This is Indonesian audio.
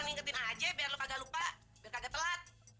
ngingetin aja biar lo kagak lupa biar kagak telat